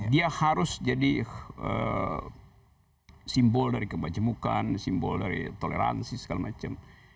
dia harus jadi simbol dari kemajemukan simbol dari toleransi segala macam